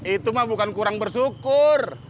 itu mah bukan kurang bersyukur